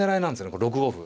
これ６五歩。